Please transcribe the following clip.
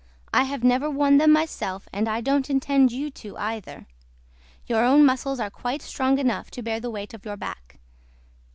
I HAVE NEVER WORN THEM MYSELF AND I DON'T INTEND YOU TO EITHER. YOUR OWN MUSCLES ARE QUITE STRONG ENOUGH TO BEAR THE WEIGHT OF YOUR BACK.